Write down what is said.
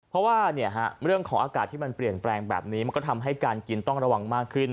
เพราะว่าเรื่องของอากาศที่มันเปลี่ยนแปลงแบบนี้มันก็ทำให้การกินต้องระวังมากขึ้น